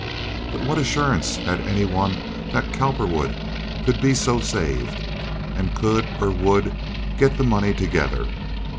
But what assurance had any one that Cowperwood could be so saved? And could, or would get the money together?